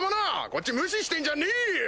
こっち無視してんじゃねえよ！